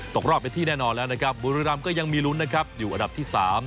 ตกรอบเป็นที่แน่นอนแล้วนะครับบุรีรำก็ยังมีลุ้นนะครับอยู่อันดับที่๓